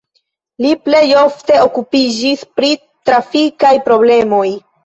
Li plej ofte okupiĝis pri trafikaj problemoj.